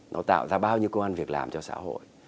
nó tạo ra bao nhiêu công an việc làm cho xã hội